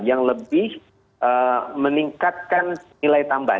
yang lebih meningkatkan nilai tambah